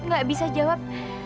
gak bisa jawab